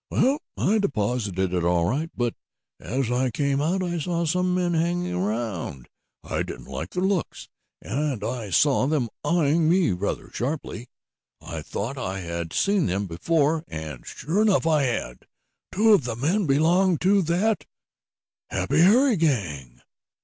Well, I deposited it all right, but, as I came out I saw some men hanging around. I didn't like their looks, and I saw them eyeing me rather sharply. I thought I had seen them before and, sure enough I had. Two of the men belonged to that Happy Harry gang!"